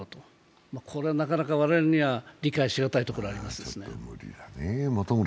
これはなかなかわれわれには理解しがたいところがあります。